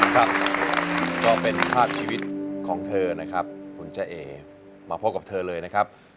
ครับก็เป็นภาพชีวิตของเธอนะครับคุณเจ๊เอมาพบกับเธอเลยนะครับ